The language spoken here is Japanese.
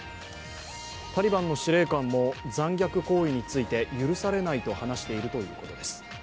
タリバンの司令官も残虐行為について許されないと話しているということです。